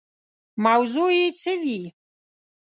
موضوع یې څه وي.